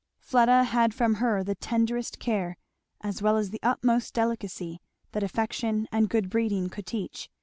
Fleda had from her the tenderest care, as well as the utmost delicacy that affection and good breeding could teach.